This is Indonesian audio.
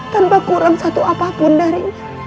tanpa kurang satu apapun darinya